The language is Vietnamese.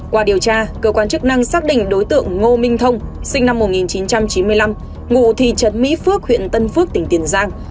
qua điều tra cơ quan chức năng xác định đối tượng ngô minh thông sinh năm một nghìn chín trăm chín mươi năm ngụ thị trấn mỹ phước huyện tân phước tỉnh tiền giang